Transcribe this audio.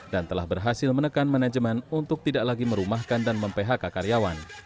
dan telah berhasil menekan manajemen untuk tidak lagi merumahkan dan memphk karyawan